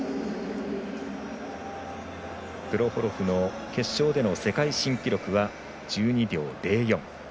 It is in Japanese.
プロホロフの決勝での世界新記録は１２秒０４。